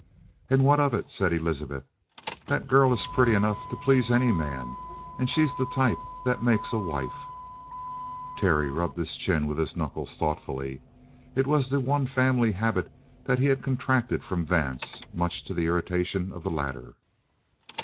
"And what of it?" said Elizabeth. "That girl is pretty enough to please any man; and she's the type that makes a wife." Terry rubbed his chin with his knuckles thoughtfully. It was the one family habit that he had contracted from Vance, much to the irritation of the latter.